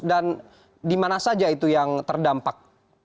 dan di mana saja itu yang terdampak